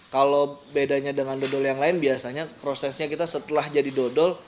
kalau bedanya dengan dodol yang lain biasanya prosesnya kita setelah jadi dodol